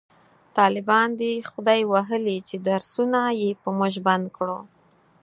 طالبان دی خداي واخلﺉ چې درسونه یې په موژ بند کړو